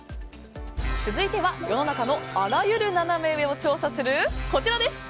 続いては世の中のあらゆるナナメ上を調査するこちら。